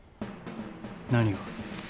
何が？